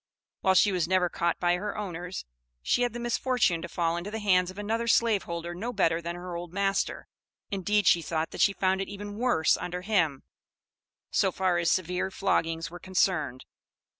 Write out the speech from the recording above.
While she was never caught by her owners, she had the misfortune to fall into the hands of another slaveholder no better than her old master, indeed she thought that she found it even worse under him, so far as severe floggings were concerned.